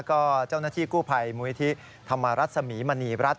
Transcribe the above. ก็เจ้านัทธิกู้ภัยมุยธิธักษะมรรถศมีย์มนนียรัส